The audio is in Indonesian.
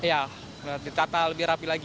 iya ditata lebih rapi lagi